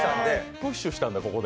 プッシュしたんだ、ここで。